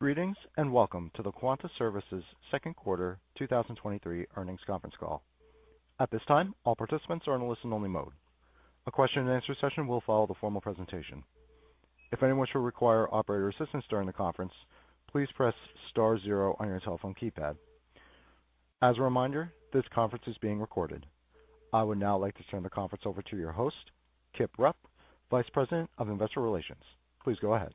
Greetings, and welcome to the Quanta Services second quarter 2023 earnings conference call. At this time, all participants are in a listen-only mode. A question-and-answer session will follow the formal presentation. If anyone should require operator assistance during the conference, please press star zero on your telephone keypad. As a reminder, this conference is being recorded. I would now like to turn the conference over to your host, Kip Rupp, Vice President, Investor Relations. Please go ahead.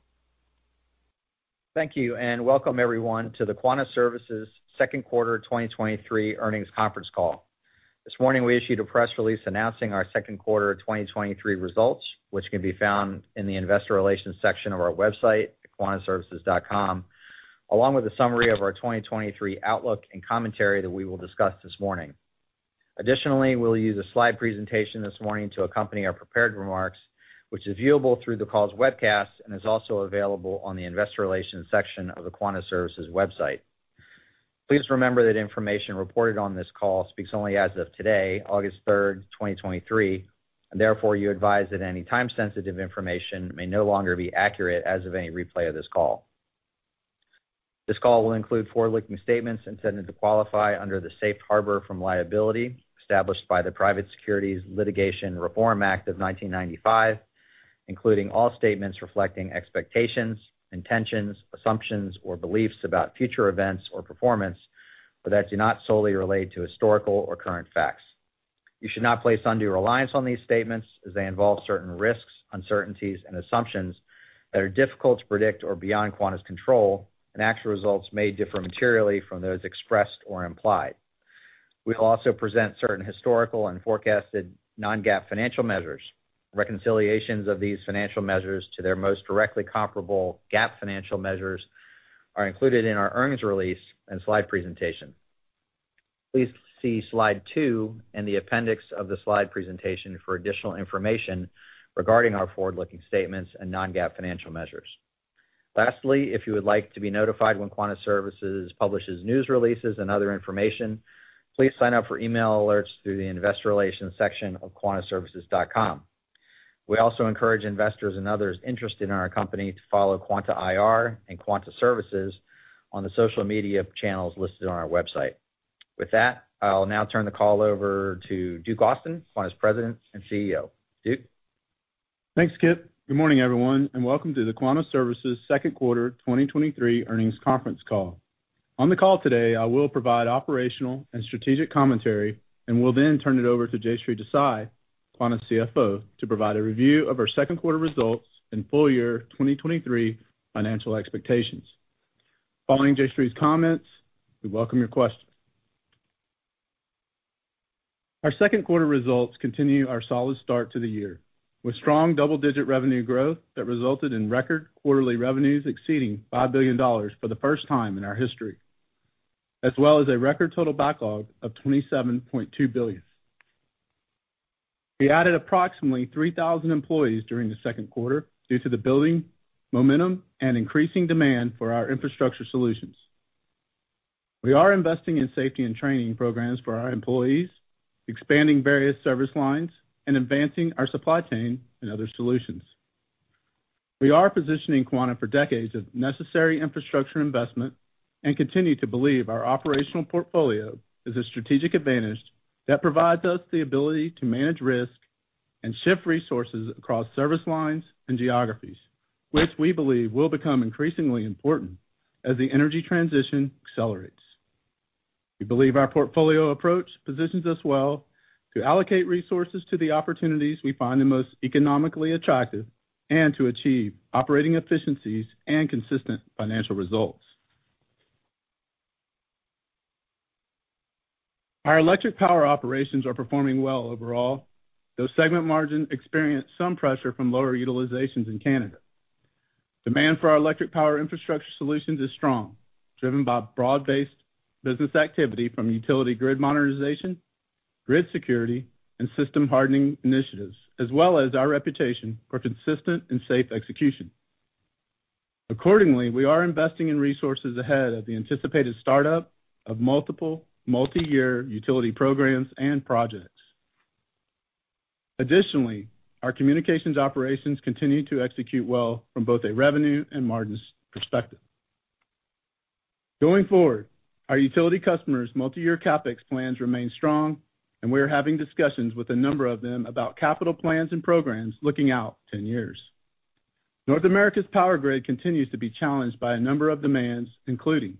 Thank you, and welcome everyone, to the Quanta Services second quarter 2023 earnings conference call. This morning, we issued a press release announcing our second quarter 2023 results, which can be found in the Investor Relations section of our website, quantaservices.com, along with a summary of our 2023 outlook and commentary that we will discuss this morning. Additionally, we'll use a slide presentation this morning to accompany our prepared remarks, which is viewable through the call's webcast and is also available on the Investor Relations section of the Quanta Services website. Please remember that information reported on this call speaks only as of today, August third, 2023, and therefore, you advise that any time-sensitive information may no longer be accurate as of any replay of this call. This call will include forward-looking statements intended to qualify under the safe harbor from liability established by the Private Securities Litigation Reform Act of 1995, including all statements reflecting expectations, intentions, assumptions, or beliefs about future events or performance, but that do not solely relate to historical or current facts. You should not place undue reliance on these statements, as they involve certain risks, uncertainties, and assumptions that are difficult to predict or beyond Quanta's control, and actual results may differ materially from those expressed or implied. We will also present certain historical and forecasted non-GAAP financial measures. Reconciliations of these financial measures to their most directly comparable GAAP financial measures are included in our earnings release and slide presentation. Please see Slide 2 in the appendix of the slide presentation for additional information regarding our forward-looking statements and non-GAAP financial measures. Lastly, if you would like to be notified when Quanta Services publishes news releases and other information, please sign up for email alerts through the Investor Relations section of quantaservices.com. We also encourage investors and others interested in our company to follow Quanta IR and Quanta Services on the social media channels listed on our website. With that, I'll now turn the call over to Duke Austin, Quanta's President and CEO. Duke? Thanks, Kip. Good morning, everyone, welcome to the Quanta Services second quarter 2023 earnings conference call. On the call today, I will provide operational and strategic commentary, and will then turn it over to Jayshree Desai, Quanta's CFO, to provide a review of our second quarter results and full year 2023 financial expectations. Following Jayshree's comments, we welcome your questions. Our second quarter results continue our solid start to the year, with strong double-digit revenue growth that resulted in record quarterly revenues exceeding $5 billion for the first time in our history, as well as a record total backlog of $27.2 billion. We added approximately 3,000 employees during the second quarter due to the building momentum and increasing demand for our Infrastructure Solutions. We are investing in safety and training programs for our employees, expanding various service lines, and advancing our supply chain and other solutions. We are positioning Quanta for decades of necessary infrastructure investment and continue to believe our operational portfolio is a strategic advantage that provides us the ability to manage risk and shift resources across service lines and geographies, which we believe will become increasingly important as the energy transition accelerates. We believe our portfolio approach positions us well to allocate resources to the opportunities we find the most economically attractive and to achieve operating efficiencies and consistent financial results. Our electric power operations are performing well overall, though segment margin experienced some pressure from lower utilizations in Canada. Demand for our electric power Infrastructure Solutions is strong, driven by broad-based business activity from utility grid modernization, grid security, and system hardening initiatives, as well as our reputation for consistent and safe execution. Accordingly, we are investing in resources ahead of the anticipated startup of multiple, multi-year utility programs and projects. Additionally, our communications operations continue to execute well from both a revenue and margins perspective. Going forward, our utility customers' multi-year CapEx plans remain strong, and we are having discussions with a number of them about capital plans and programs looking out 10 years. North America's power grid continues to be challenged by a number of demands, including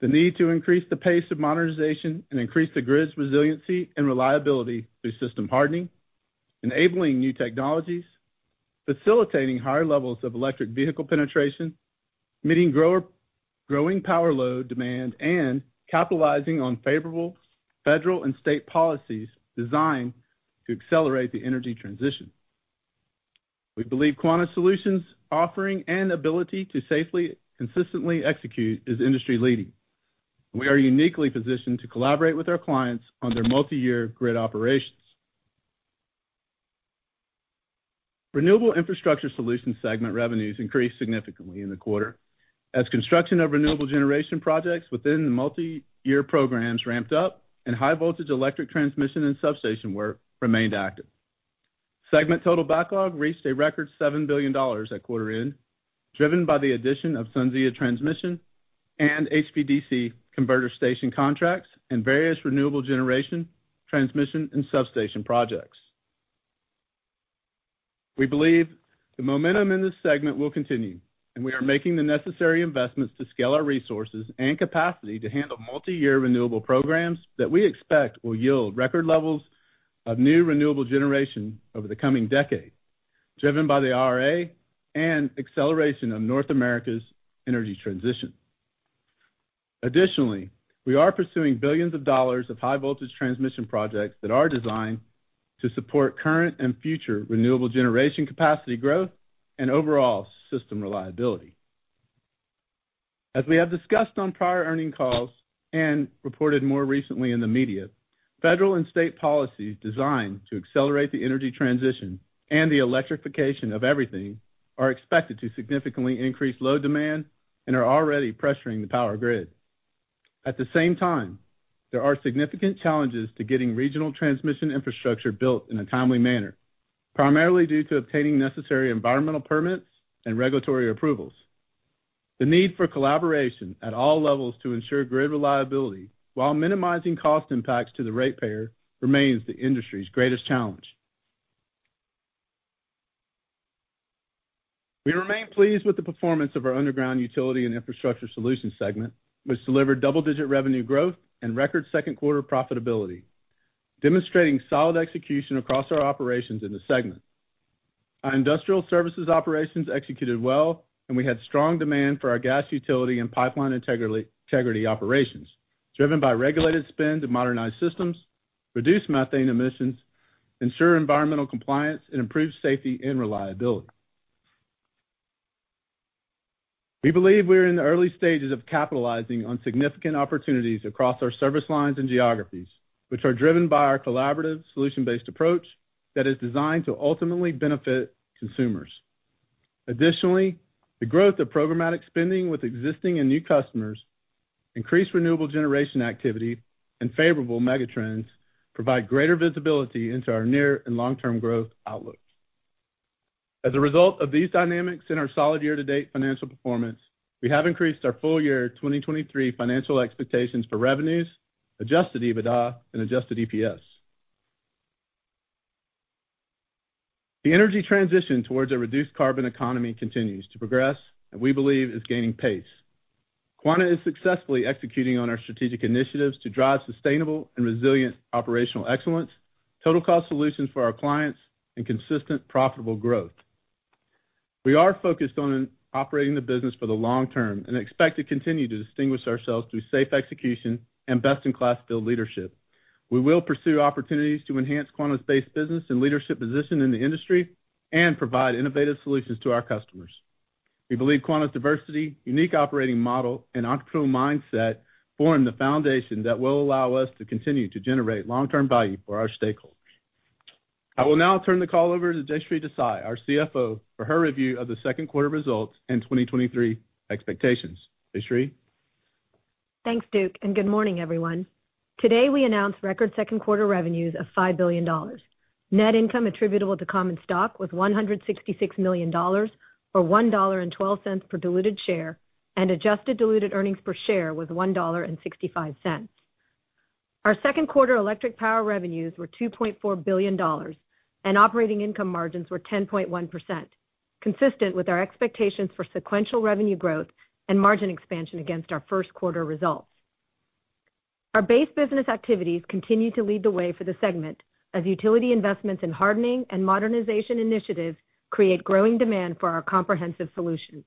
the need to increase the pace of modernization and increase the grid's resiliency and reliability through system hardening, enabling new technologies, facilitating higher levels of electric vehicle penetration, meeting growing power load demand, and capitalizing on favorable federal and state policies designed to accelerate the energy transition. We believe Quanta Solutions' offering and ability to safely, consistently execute is industry-leading. We are uniquely positioned to collaborate with our clients on their multi-year grid operations. Renewable Infrastructure Solutions segment revenues increased significantly in the quarter as construction of renewable generation projects within the multi-year programs ramped up and high voltage electric transmission and substation work remained active. Segment total backlog reached a record $7 billion at quarter end, driven by the addition of SunZia Transmission and HVDC converter station contracts and various renewable generation, transmission, and substation projects. We believe the momentum in this segment will continue, we are making the necessary investments to scale our resources and capacity to handle multi-year renewable programs that we expect will yield record levels of new renewable generation over the coming decade, driven by the IRA and acceleration of North America's energy transition. We are pursuing billions of dollars of high-voltage transmission projects that are designed to support current and future renewable generation capacity growth and overall system reliability. As we have discussed on prior earnings calls and reported more recently in the media, federal and state policies designed to accelerate the energy transition and the electrification of everything are expected to significantly increase load demand and are already pressuring the power grid. At the same time, there are significant challenges to getting regional transmission infrastructure built in a timely manner, primarily due to obtaining necessary environmental permits and regulatory approvals. The need for collaboration at all levels to ensure grid reliability while minimizing cost impacts to the ratepayer, remains the industry's greatest challenge. We remain pleased with the performance of our Underground Utility and Infrastructure Solutions segment, which delivered double-digit revenue growth and record second quarter profitability, demonstrating solid execution across our operations in the segment. Our industrial services operations executed well. We had strong demand for our gas utility and pipeline integrity operations, driven by regulated spend to modernize systems, reduce methane emissions, ensure environmental compliance, and improve safety and reliability. We believe we're in the early stages of capitalizing on significant opportunities across our service lines and geographies, which are driven by our collaborative, solution-based approach that is designed to ultimately benefit consumers. Additionally, the growth of programmatic spending with existing and new customers, increased renewable generation activity, and favorable megatrends provide greater visibility into our near and long-term growth outlooks. As a result of these dynamics and our solid year-to-date financial performance, we have increased our full year 2023 financial expectations for revenues, adjusted EBITDA, and adjusted EPS. The energy transition towards a reduced carbon economy continues to progress, and we believe is gaining pace. Quanta is successfully executing on our strategic initiatives to drive sustainable and resilient operational excellence, total cost solutions for our clients, and consistent, profitable growth. We are focused on operating the business for the long term and expect to continue to distinguish ourselves through safe execution and best-in-class field leadership. We will pursue opportunities to enhance Quanta's base business and leadership position in the industry and provide innovative solutions to our customers. We believe Quanta's diversity, unique operating model, and entrepreneurial mindset form the foundation that will allow us to continue to generate long-term value for our stakeholders. I will now turn the call over to Jayshree Desai, our CFO, for her review of the second quarter results and 2023 expectations. Jayshree? Thanks, Duke. Good morning, everyone. Today, we announced record second quarter revenues of $5 billion. Net income attributable to common stock was $166 million, or $1.12 per diluted share, and adjusted diluted earnings per share was $1.65. Our second quarter electric power revenues were $2.4 billion, and operating income margins were 10.1%, consistent with our expectations for sequential revenue growth and margin expansion against our first quarter results. Our base business activities continue to lead the way for the segment, as utility investments in hardening and modernization initiatives create growing demand for our comprehensive solutions.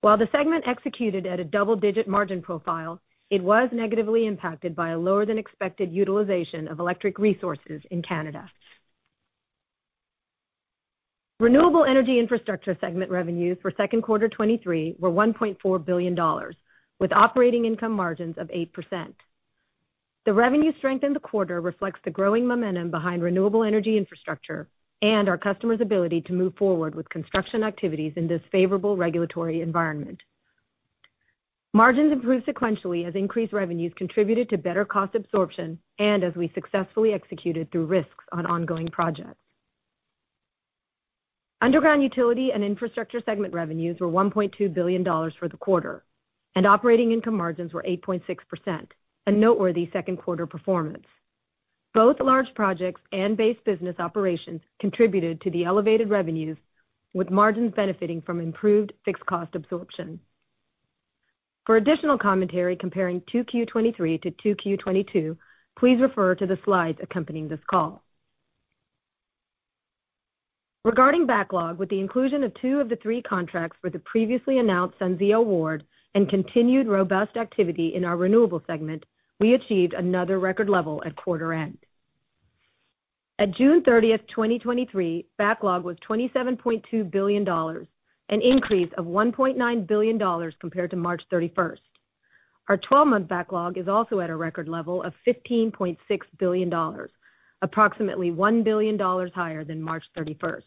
While the segment executed at a double-digit margin profile, it was negatively impacted by a lower-than-expected utilization of electric resources in Canada. Renewable Energy Infrastructure segment revenues for second quarter 2023 were $1.4 billion, with operating income margins of 8%. The revenue strength in the quarter reflects the growing momentum behind renewable energy infrastructure and our customers' ability to move forward with construction activities in this favorable regulatory environment. Margins improved sequentially as increased revenues contributed to better cost absorption and as we successfully executed through risks on ongoing projects. Underground Utility and Infrastructure segment revenues were $1.2 billion for the quarter, and operating income margins were 8.6%, a noteworthy second quarter performance. Both large projects and base business operations contributed to the elevated revenues, with margins benefiting from improved fixed cost absorption. For additional commentary comparing 2Q 2023 to 2Q 2022, please refer to the slides accompanying this call. Regarding backlog, with the inclusion of 2 of the 3 contracts for the previously announced SunZia award and continued robust activity in our Renewable segment, we achieved another record level at quarter end. At June 30, 2023, backlog was $27.2 billion, an increase of $1.9 billion compared to March 31. Our 12-month backlog is also at a record level of $15.6 billion, approximately $1 billion higher than March 31.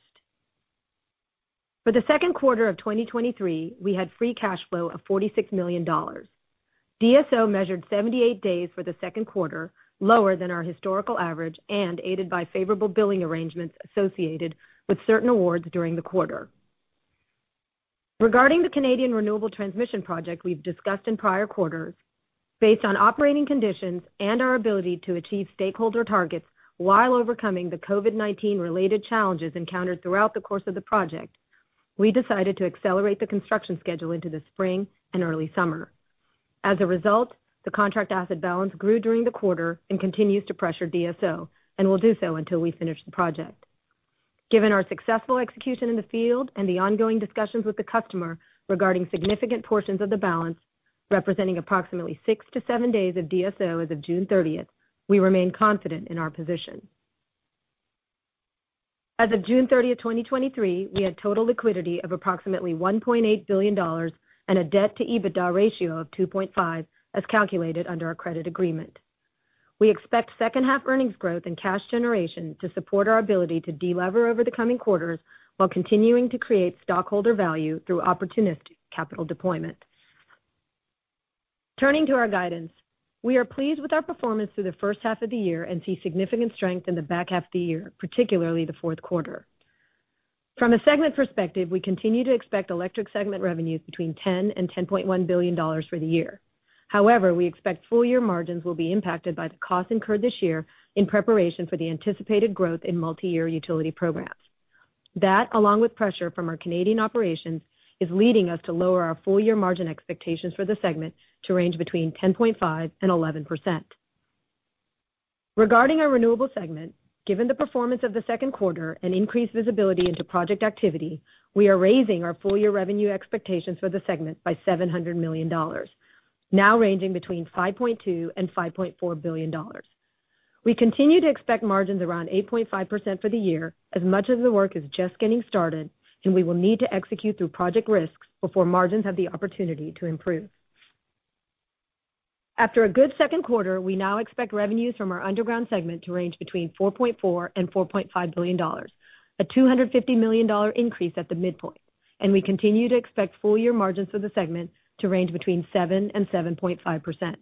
For the second quarter of 2023, we had free cash flow of $46 million. DSO measured 78 days for the second quarter, lower than our historical average and aided by favorable billing arrangements associated with certain awards during the quarter. Regarding the Canadian Renewable Transmission Project we've discussed in prior quarters, based on operating conditions and our ability to achieve stakeholder targets while overcoming the COVID-19-related challenges encountered throughout the course of the project, we decided to accelerate the construction schedule into the spring and early summer. As a result, the contract asset balance grew during the quarter and continues to pressure DSO, and will do so until we finish the project. Given our successful execution in the field and the ongoing discussions with the customer regarding significant portions of the balance, representing approximately six to seven days of DSO as of June 30th, we remain confident in our position. As of June 30th, 2023, we had total liquidity of approximately $1.8 billion and a debt-to-EBITDA ratio of 2.5, as calculated under our credit agreement. We expect second-half earnings growth and cash generation to support our ability to delever over the coming quarters, while continuing to create stockholder value through opportunistic capital deployment. Turning to our guidance, we are pleased with our performance through the first half of the year and see significant strength in the back half of the year, particularly the fourth quarter. From a segment perspective, we continue to expect Electric segment revenues between $10 billion and $10.1 billion for the year. However, we expect full-year margins will be impacted by the costs incurred this year in preparation for the anticipated growth in multiyear utility programs. That, along with pressure from our Canadian operations, is leading us to lower our full-year margin expectations for the segment to range between 10.5% and 11%. Regarding our Renewable segment, given the performance of the second quarter and increased visibility into project activity, we are raising our full-year revenue expectations for the segment by $700 million, now ranging between $5.2 billion and $5.4 billion. We continue to expect margins around 8.5% for the year, as much of the work is just getting started. We will need to execute through project risks before margins have the opportunity to improve. After a good second quarter, we now expect revenues from our underground segment to range between $4.4 billion and $4.5 billion, a $250 million increase at the midpoint. We continue to expect full-year margins for the segment to range between 7% and 7.5%.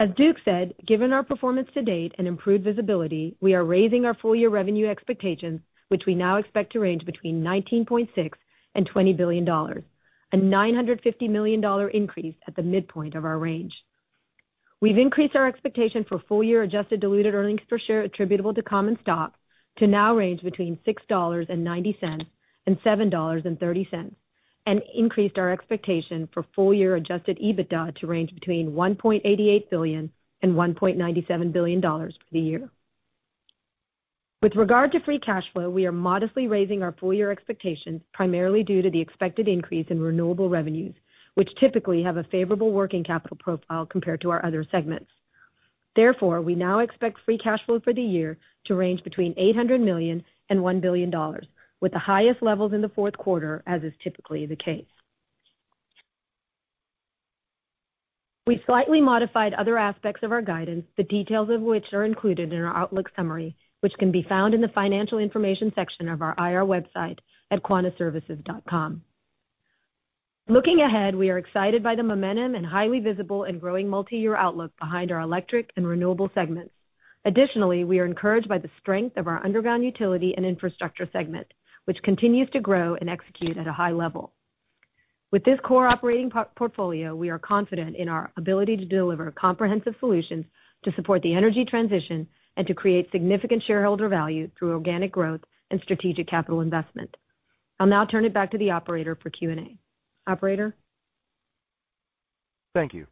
As Duke Austin said, given our performance to date and improved visibility, we are raising our full-year revenue expectations, which we now expect to range between $19.6 billion and $20 billion, a $950 million increase at the midpoint of our range. We've increased our expectation for full-year adjusted diluted earnings per share attributable to common stock to now range between $6.90 and $7.30, and increased our expectation for full-year adjusted EBITDA to range between $1.88 billion and $1.97 billion for the year. With regard to free cash flow, we are modestly raising our full-year expectations, primarily due to the expected increase in renewable revenues, which typically have a favorable working capital profile compared to our other segments. Therefore, we now expect free cash flow for the year to range between $800 million and $1 billion, with the highest levels in the fourth quarter, as is typically the case. We slightly modified other aspects of our guidance, the details of which are included in our outlook summary, which can be found in the Financial Information section of our IR website at quantaservices.com. Looking ahead, we are excited by the momentum and highly visible and growing multiyear outlook behind our Electric and Renewable segments. Additionally, we are encouraged by the strength of our Underground Utility and Infrastructure segment, which continues to grow and execute at a high level. With this core operating portfolio, we are confident in our ability to deliver comprehensive solutions to support the energy transition and to create significant shareholder value through organic growth and strategic capital investment. I'll now turn it back to the operator for Q&A. Operator? Thank you.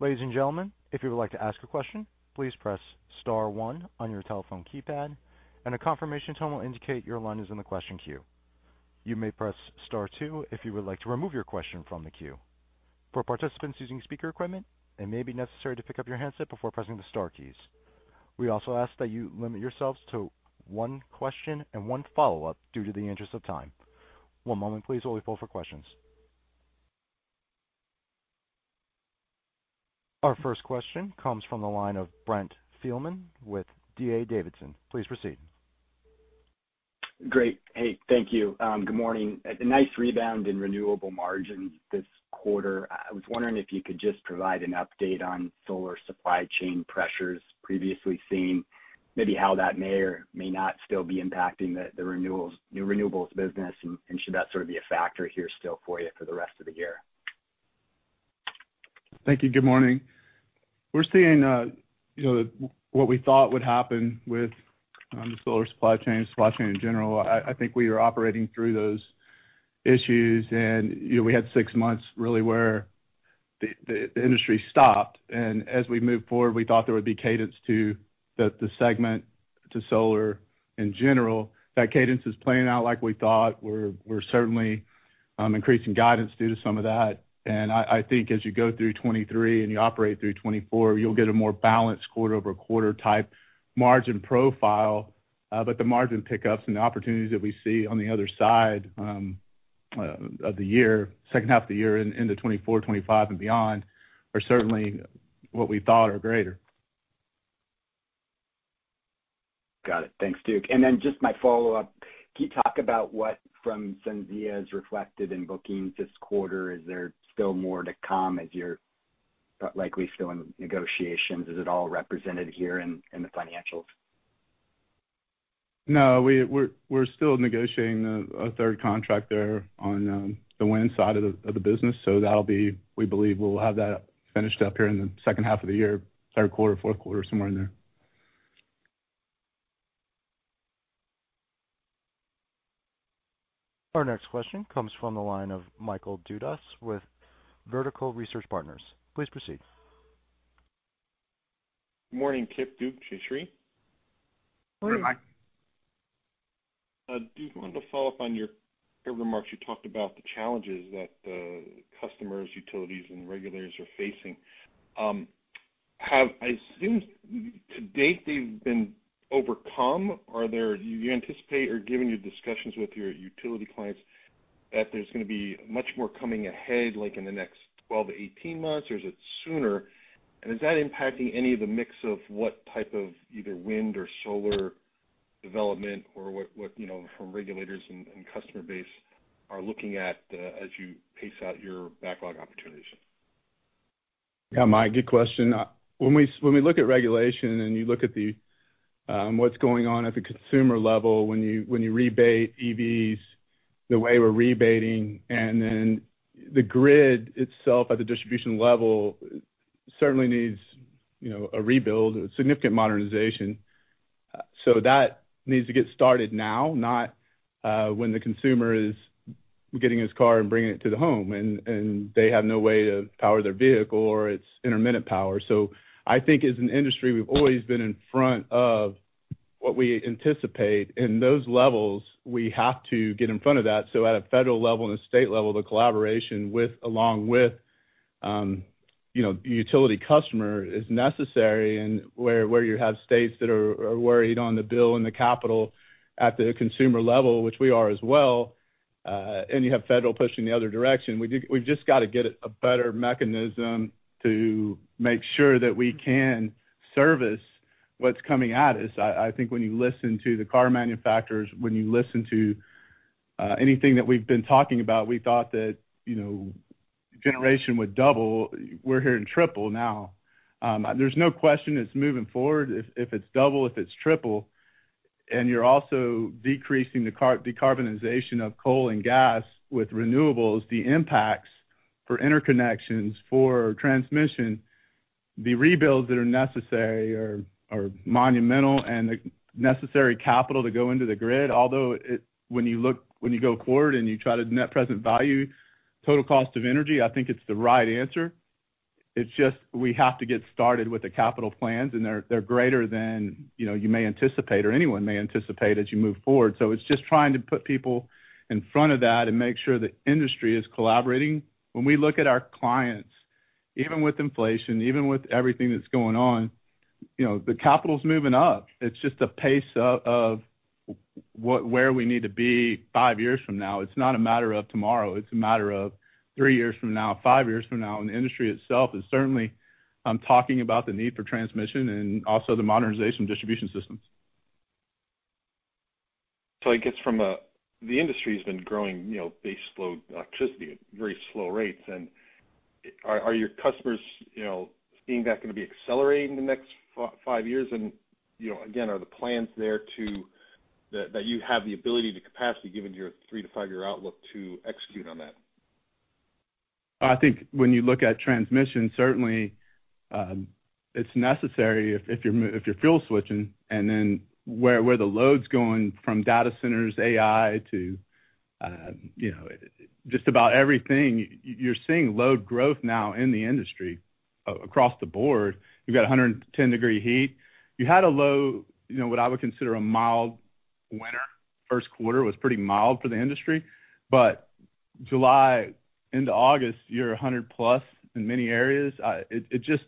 Ladies and gentlemen, if you would like to ask a question, please press star one on your telephone keypad, and a confirmation tone will indicate your line is in the question queue. You may press star two if you would like to remove your question from the queue. For participants using speaker equipment, it may be necessary to pick up your handset before pressing the star keys. We also ask that you limit yourselves to one question and one follow-up due to the interest of time. One moment, please, while we pull for questions. Our first question comes from the line of Brent Thielman with D.A. Davidson. Please proceed. Great. Hey, thank you. Good morning. A nice rebound in renewable margins this quarter. I was wondering if you could just provide an update on solar supply chain pressures previously seen, maybe how that may or may not still be impacting the renewables business, and should that sort of be a factor here still for you for the rest of the year? Thank you. Good morning. We're seeing, you know, what we thought would happen with the solar supply chain, supply chain in general. I, I think we are operating through those issues. You know, we had 6 months, really, where the, the, the industry stopped, and as we moved forward, we thought there would be cadence to the, the segment to solar in general. That cadence is playing out like we thought. We're, we're certainly increasing guidance due to some of that. I, I think as you go through 2023 and you operate through 2024, you'll get a more balanced quarter-over-quarter type margin profile. The margin pick-ups and the opportunities that we see on the other side of the year, second half of the year into 2024, 2025 and beyond, are certainly what we thought are greater. Got it. Thanks, Duke. Just my follow-up: Can you talk about what from SunZia is reflected in bookings this quarter? Is there still more to come as you're likely still in negotiations? Is it all represented here in the financials? No, we, we're, we're still negotiating a, a third contract there on the wind side of the, of the business. That'll be, we believe we'll have that finished up here in the second half of the year, third quarter, fourth quarter, somewhere in there. Our next question comes from the line of Michael Dudas with Vertical Research Partners. Please proceed. Morning, Kip, Duke, Jayshree. Morning, Mike. Duke, I wanted to follow up on your remarks. You talked about the challenges that the customers, utilities, and regulators are facing. I assume to date, they've been overcome. Do you anticipate or given your discussions with your utility clients, that there's gonna be much more coming ahead, like in the next 12 to 18 months, or is it sooner? Is that impacting any of the mix of what type of either wind or solar development or what, what, you know, from regulators and, and customer base are looking at, as you pace out your backlog opportunities? Yeah, Mike, good question. When we, when we look at regulation and you look at the what's going on at the consumer level, when you, when you rebate EVs, the way we're rebating, and then the grid itself at the distribution level certainly needs, you know, a rebuild, a significant modernization. That needs to get started now, not when the consumer is getting his car and bringing it to the home and, and they have no way to power their vehicle, or it's intermittent power. I think as an industry, we've always been in front of what we anticipate. In those levels, we have to get in front of that. At a federal level and a state level, the collaboration with, along with, you know, the utility customer is necessary. Where, where you have states that are, are worried on the bill and the capital at the consumer level, which we are as well, and you have federal pushing the other direction, we just, we've just got to get a better mechanism to make sure that we can service what's coming at us. I, I think when you listen to the car manufacturers, when you listen to anything that we've been talking about, we thought that, you know, generation would double. We're hearing triple now. There's no question it's moving forward. If, if it's double, if it's triple, and you're also decreasing the decarbonization of coal and gas with renewables, the impacts for interconnections, for transmission, the rebuilds that are necessary are, are monumental and the necessary capital to go into the grid. Although, it... When you go forward and you try to net present value, total cost of energy, I think it's the right answer. It's just we have to get started with the capital plans, and they're greater than, you know, you may anticipate or anyone may anticipate as you move forward. It's just trying to put people in front of that and make sure the industry is collaborating. When we look at our clients, even with inflation, even with everything that's going on, you know, the capital's moving up. It's just a pace of where we need to be 5 years from now. It's not a matter of tomorrow, it's a matter of 3 years from now, 5 years from now. The industry itself is certainly talking about the need for transmission and also the modernization of distribution systems. I guess from the industry has been growing, you know, base load electricity at very slow rates. Are your customers, you know, seeing that gonna be accelerating in the next 5 years? You know, again, are the plans there that you have the ability, the capacity, given your 3- to 5-year outlook, to execute on that? I think when you look at transmission, certainly, it's necessary if, if you're, if you're fuel switching, and then where, where the load's going from data centers, AI, to, you know, just about everything, you're seeing load growth now in the industry across the board. You've got 110 degree heat. You had a low, you know, what I would consider a mild winter. First quarter was pretty mild for the industry, but July into August, you're 100+ in many areas. It just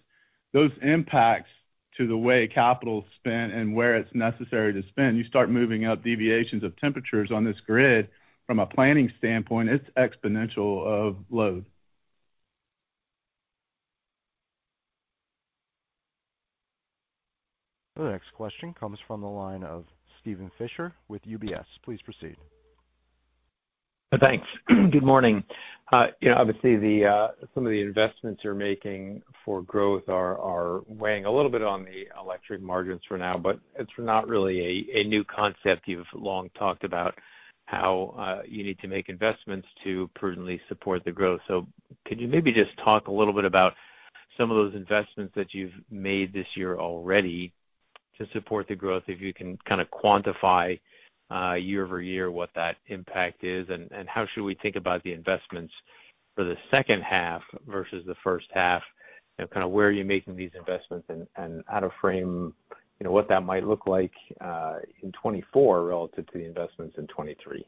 those impacts to the way capital is spent and where it's necessary to spend, you start moving up deviations of temperatures on this grid, from a planning standpoint, it's exponential of load. The next question comes from the line of Steven Fisher with UBS. Please proceed. Thanks. Good morning. You know, obviously, the some of the investments you're making for growth are weighing a little bit on the electric margins for now, but it's not really a new concept. You've long talked about how you need to make investments to prudently support the growth. Could you maybe just talk a little bit about some of those investments that you've made this year already to support the growth? If you can kind of quantify year-over-year, what that impact is, and how should we think about the investments for the second half versus the first half, and kind of where are you making these investments? Out of frame, you know, what that might look like in 2024 relative to the investments in 2023.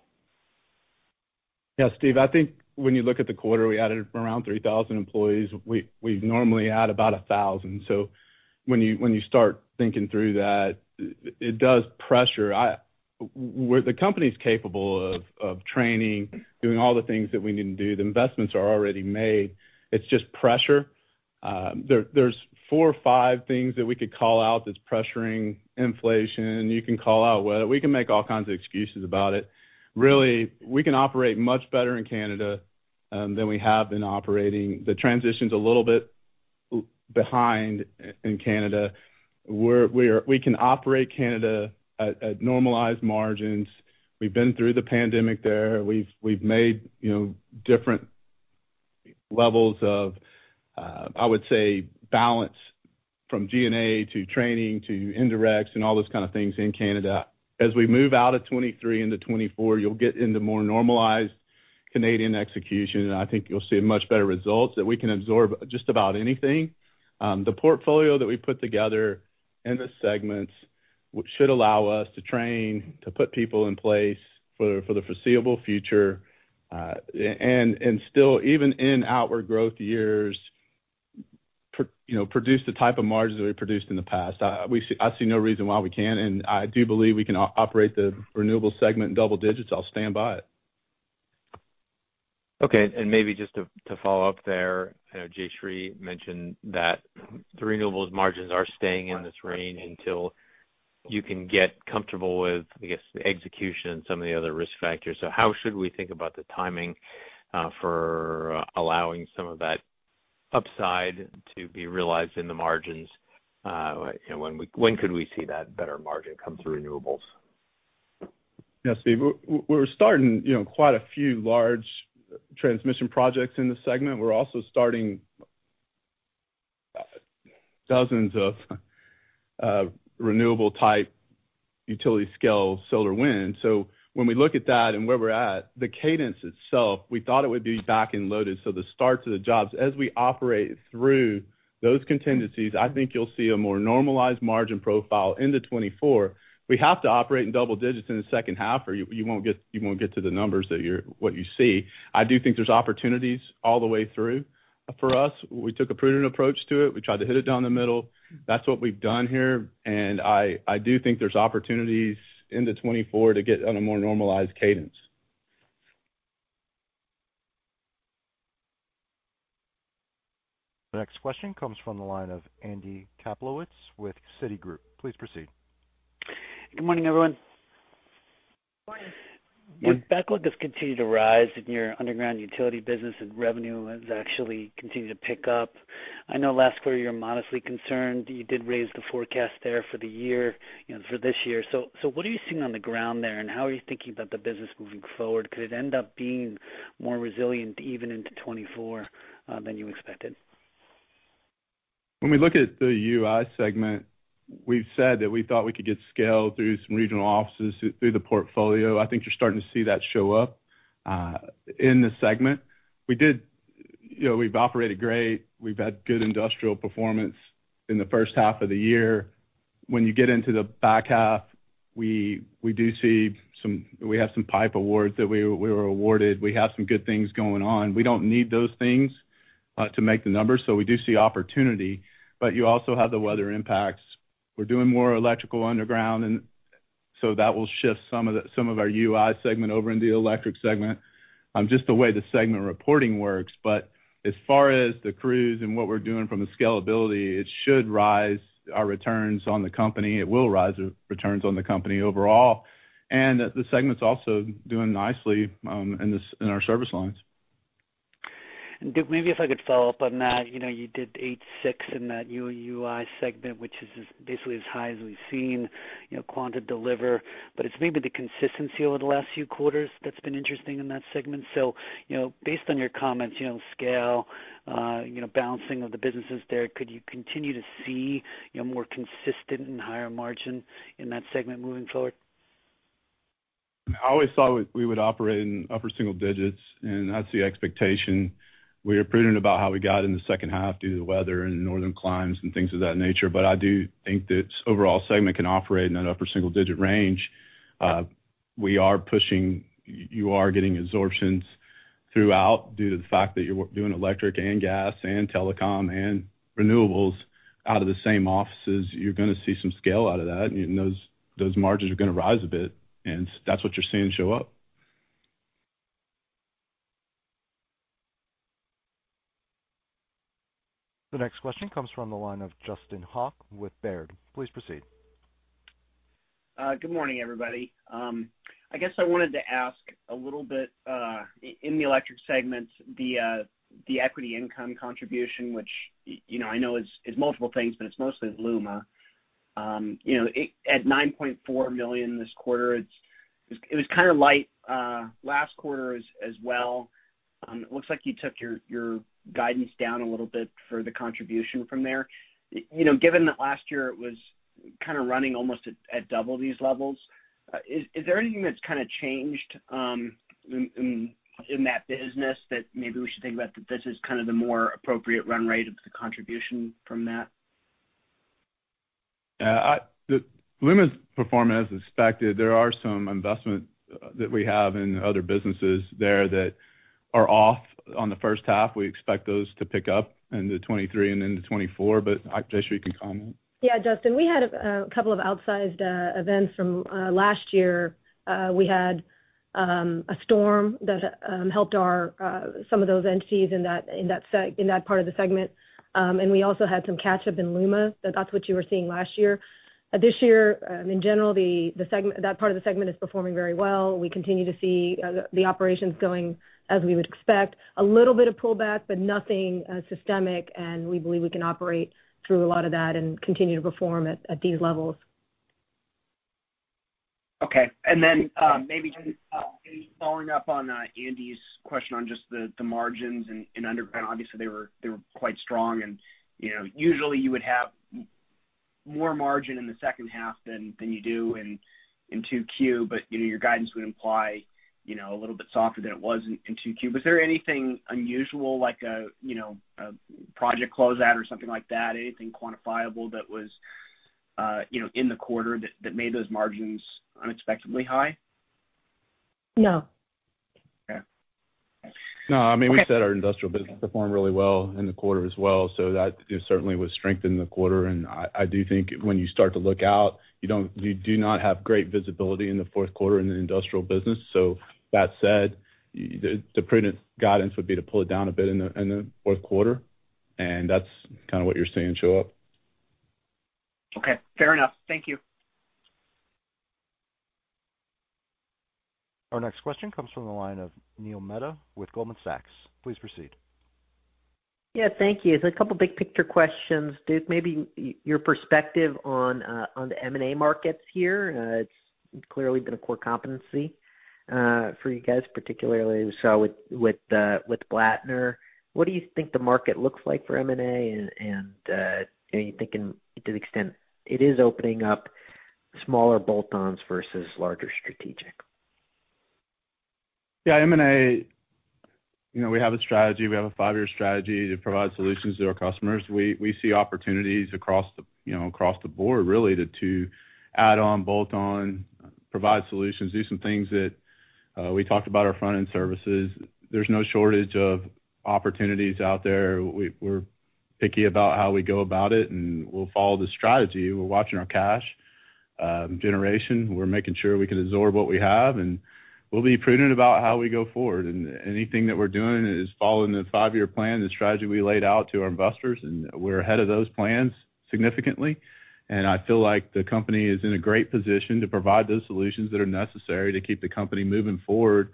Yeah, Steve, I think when you look at the quarter, we added around 3,000 employees. We, we normally add about 1,000. When you, when you start thinking through that, it does pressure. The company's capable of training, doing all the things that we need to do. The investments are already made. It's just pressure. There's four or five things that we could call out that's pressuring inflation. We can make all kinds of excuses about it. Really, we can operate much better in Canada than we have been operating. The transition's a little bit behind in Canada. We're, we can operate Canada at normalized margins. We've been through the pandemic there. We've, we've made, you know, different levels of, I would say, balance from G&A to training to indirects and all those kind of things in Canada. As we move out of 2023 into 2024, you'll get into more normalized Canadian execution, and I think you'll see much better results, that we can absorb just about anything. The portfolio that we put together in the segments should allow us to train, to put people in place for, for the foreseeable future, and still, even in outward growth years, you know, produce the type of margins that we produced in the past. I see no reason why we can't, and I do believe we can operate the Renewables segment in double digits. I'll stand by it. Okay. maybe just to, to follow up there, I know Jayshree mentioned that the renewables margins are staying in this range until you can get comfortable with, I guess, the execution and some of the other risk factors. how should we think about the timing for allowing some of that upside to be realized in the margins? you know, when could we see that better margin come through renewables? Yeah, Steve, we're starting, you know, quite a few large transmission projects in this segment. We're also starting dozens of renewable-type utility scale solar wind. When we look at that and where we're at, the cadence itself, we thought it would be back-ended loaded, so the start to the jobs. As we operate through those contingencies, I think you'll see a more normalized margin profile into 2024. We have to operate in double digits in the second half, or you won't get, you won't get to the numbers that you're what you see. I do think there's opportunities all the way through for us. We took a prudent approach to it. We tried to hit it down the middle. That's what we've done here, and I do think there's opportunities into 2024 to get on a more normalized cadence. The next question comes from the line of Andy Kaplowitz with Citigroup. Please proceed. Good morning, everyone. Good morning. Your backlog has continued to rise in your Underground Utility business, and revenue has actually continued to pick up. I know last quarter, you were modestly concerned. You did raise the forecast there for the year, you know, for this year. What are you seeing on the ground there, and how are you thinking about the business moving forward? Could it end up being more resilient, even into 2024, than you expected? When we look at the UI segment, we've said that we thought we could get scale through some regional offices, through the portfolio. I think you're starting to see that show up in this segment. We did. You know, we've operated great. We've had good industrial performance in the first half of the year. When you get into the back half, we do see some. We have some pipe awards that we, we were awarded. We have some good things going on. We don't need those things to make the numbers, so we do see opportunity, but you also have the weather impacts. So that will shift some of the, some of our UI segment over in the Electric segment, just the way the segment reporting works. As far as the crews and what we're doing from the scalability, it should rise our returns on the company. It will rise the returns on the company overall, and the segment's also doing nicely, in this, in our service lines. Maybe if I could follow up on that. You know, you did 8.6 in that UI segment, which is, is basically as high as we've seen, you know, Quanta deliver, but it's maybe the consistency over the last few quarters that's been interesting in that segment. You know, based on your comments, you know, scale, you know, balancing of the businesses there, could you continue to see, you know, more consistent and higher margin in that segment moving forward? I always thought we, we would operate in upper single digits, and that's the expectation. We are prudent about how we got in the second half due to the weather and northern climes and things of that nature, but I do think this overall segment can operate in that upper single-digit range. We are pushing... You are getting absorptions throughout due to the fact that you're doing electric and gas and telecom and renewables out of the same offices. You're gonna see some scale out of that, and those, those margins are gonna rise a bit, and that's what you're seeing show up. The next question comes from the line of Justin Hauke with Baird. Please proceed. Good morning, everybody. I guess I wanted to ask a little bit, in the Electric segment, the equity income contribution, which, you know, I know is, is multiple things, but it's mostly Luma. You know, at $9.4 million this quarter, it was kind of light last quarter as well. It looks like you took your, your guidance down a little bit for the contribution from there. You know, given that last year it was kind of running almost at double these levels, is there anything that's kind of changed in that business that maybe we should think about that this is kind of the more appropriate run rate of the contribution from that? Yeah, the LUMA's performance is expected. There are some investments that we have in other businesses there are off on the first half. We expect those to pick up into 2023 and into 2024. I'm sure you can comment. Yeah, Justin, we had a couple of outsized events from last year. We had a storm that helped our some of those entities in that in that part of the segment. We also had some catch up in LUMA. That's what you were seeing last year. This year, in general, the the segment That part of the segment is performing very well. We continue to see the the operations going as we would expect. A little bit of pullback, but nothing systemic, and we believe we can operate through a lot of that and continue to perform at these levels. Okay. Maybe just following up on Andy's question on just the, the margins in, in underground. Obviously, they were, they were quite strong and, you know, usually you would have more margin in the second half than, than you do in, in 2Q, but, you know, your guidance would imply, you know, a little bit softer than it was in, in 2Q. Was there anything unusual like a, you know, a project closeout or something like that? Anything quantifiable that was, you know, in the quarter that, that made those margins unexpectedly high? No. Okay. No, I mean, we said our industrial business performed really well in the quarter as well, that certainly was strength in the quarter. I, I do think when you start to look out, you do not have great visibility in the fourth quarter in the industrial business. That said, the, the prudent guidance would be to pull it down a bit in the, in the fourth quarter, and that's kind of what you're seeing show up. Okay, fair enough. Thank you. Our next question comes from the line of Neil Mehta with Goldman Sachs. Please proceed. Yeah, thank you. A couple of big-picture questions. Duke, maybe your perspective on the M&A markets here. It's clearly been a core competency for you guys, particularly. With, with Blattner, what do you think the market looks like for M&A? Are you thinking, to the extent it is opening up smaller bolt-ons versus larger strategic? Yeah, M&A, you know, we have a strategy. We have a five-year strategy to provide solutions to our customers. We, we see opportunities across the, you know, across the board, really, to, to add on, bolt on, provide solutions, do some things that we talked about our front-end services. There's no shortage of opportunities out there. We're picky about how we go about it, and we'll follow the strategy. We're watching our cash generation. We're making sure we can absorb what we have, and we'll be prudent about how we go forward. Anything that we're doing is following the five-year plan, the strategy we laid out to our investors, and we're ahead of those plans significantly. I feel like the company is in a great position to provide those solutions that are necessary to keep the company moving forward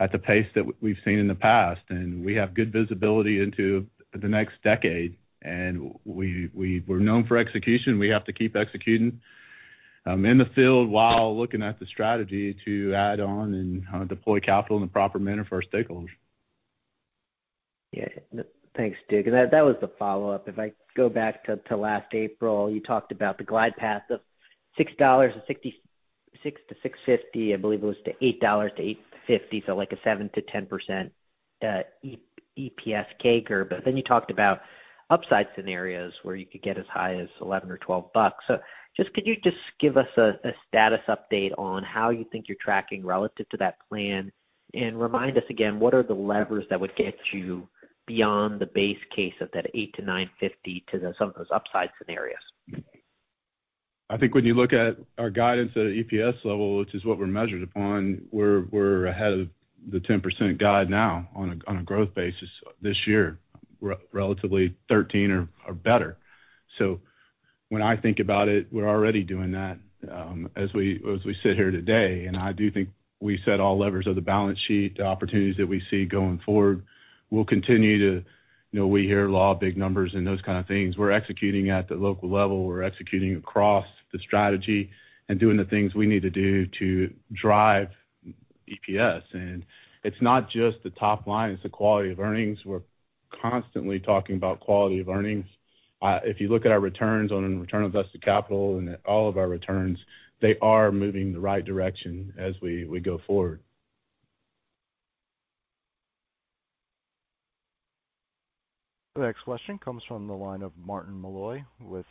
at the pace that we've seen in the past. We have good visibility into the next decade, and we, we're known for execution. We have to keep executing in the field while looking at the strategy to add on and deploy capital in the proper manner for our stakeholders. Yeah. Thanks, Duke. That, that was the follow-up. If I go back to, to last April, you talked about the glide path of $6.66 to $6.50, I believe it was to $8.00 to $8.50, so like a 7%-10% EPS CAGR. Then you talked about upside scenarios where you could get as high as $11 or $12. Just, could you just give us a, a status update on how you think you're tracking relative to that plan? Remind us again, what are the levers that would get you beyond the base case of that $8-$9.50 to some of those upside scenarios? I think when you look at our guidance at an EPS level, which is what we're measured upon, we're ahead of the 10% guide now on a growth basis this year, relatively 13 or better. When I think about it, we're already doing that as we sit here today. I do think we set all levers of the balance sheet, the opportunities that we see going forward. We'll continue to. You know, we hear law, big numbers, and those kind of things. We're executing at the local level, we're executing across the strategy and doing the things we need to do to drive EPS. It's not just the top line, it's the quality of earnings. We're constantly talking about quality of earnings. If you look at our returns on return on invested capital and all of our returns, they are moving in the right direction as we go forward. The next question comes from the line of Martin Malloy with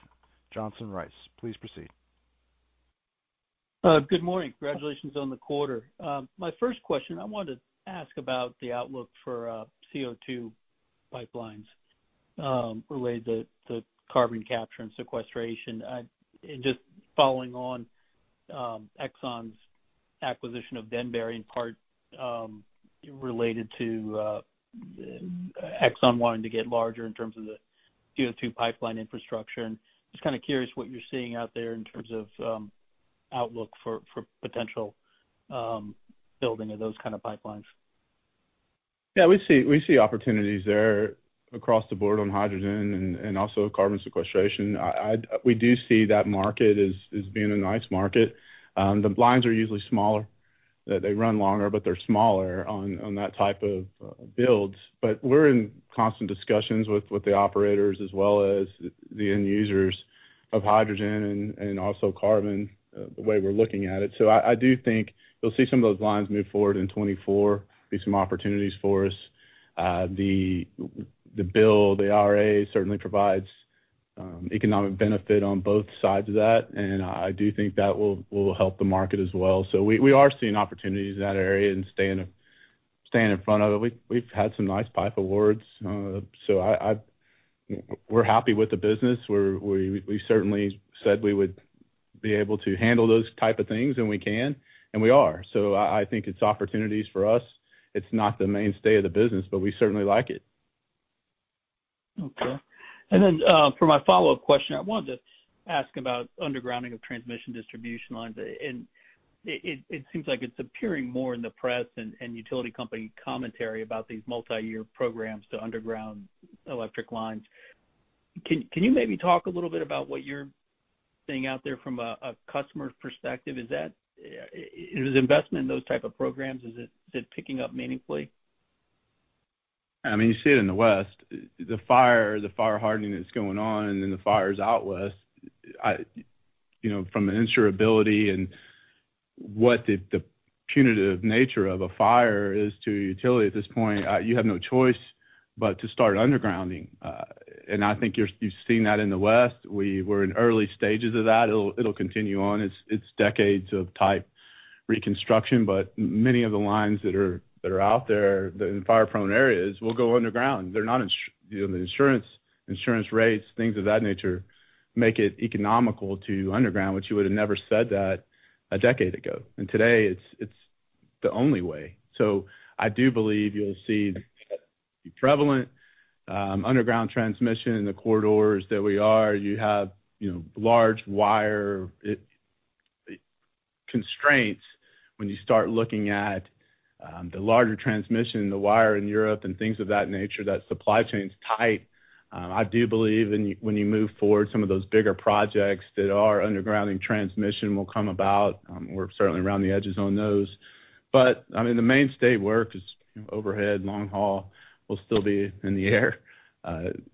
Johnson Rice. Please proceed. Good morning. Congratulations on the quarter. My first question, I wanted to ask about the outlook for CO2 pipelines, related to carbon capture and sequestration. Just following on, Exxon's acquisition of Denbury, in part, related to Exxon wanting to get larger in terms of the CO2 pipeline infrastructure. Just kind of curious what you're seeing out there in terms of outlook for potential building of those kind of pipelines? Yeah, we see, we see opportunities there across the board on hydrogen and, and also carbon sequestration. We do see that market as, as being a nice market. The lines are usually smaller. They run longer, but they're smaller on, on that type of builds. We're in constant discussions with, with the operators, as well as the end users of hydrogen and, and also carbon, the way we're looking at it. I do think you'll see some of those lines move forward in 2024, be some opportunities for us. The bill, the IRA, certainly provides... economic benefit on both sides of that, and I do think that will, will help the market as well. We are seeing opportunities in that area and staying, staying in front of it. We've, we've had some nice pipe awards, so we're happy with the business. We're, we, we certainly said we would be able to handle those type of things, and we can, and we are. I think it's opportunities for us. It's not the mainstay of the business, but we certainly like it. Okay. Then, for my follow-up question, I wanted to ask about undergrounding of transmission distribution lines. It seems like it's appearing more in the press and utility company commentary about these multiyear programs to underground electric lines. Can you maybe talk a little bit about what you're seeing out there from a customer perspective? Is that... Is investment in those type of programs, is it picking up meaningfully? I mean, you see it in the West, the fire, the fire hardening that's going on and then the fires out West. You know, from the insurability and what the, the punitive nature of a fire is to a utility at this point, you have no choice but to start undergrounding. I think you've seen that in the West. We're in early stages of that. It'll continue on. It's decades of type reconstruction, many of the lines that are, that are out there, that in fire-prone areas, will go underground. They're not You know, the insurance, insurance rates, things of that nature, make it economical to underground, which you would have never said that a decade ago. Today, it's the only way. I do believe you'll see prevalent underground transmission in the corridors that we are. You have, you know, large wire, it, constraints when you start looking at the larger transmission and the wire in Europe and things of that nature, that supply chain's tight. I do believe when you, when you move forward, some of those bigger projects that are undergrounding transmission will come about. We're certainly around the edges on those. I mean, the mainstay work is, you know, overhead, long haul, will still be in the air,